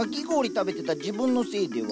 食べてた自分のせいでは。